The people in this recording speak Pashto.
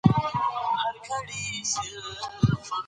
ژورې سرچینې د افغانستان د کلتوري میراث برخه ده.